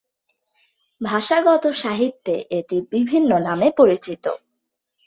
ভাষাগত সাহিত্যে এটি বিভিন্ন নামে পরিচিত।